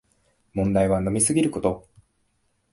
問題は飲みすぎること